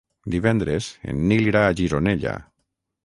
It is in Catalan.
Divendres en Nil irà a Gironella.